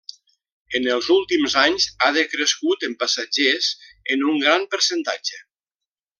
En els últims anys, ha decrescut en passatgers en un gran percentatge.